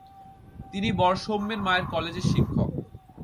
তিনি বর সৌম্যের মায়ের কলেজের শিক্ষক।